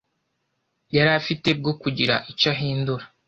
yari ifite bwo kugira icyo ihindura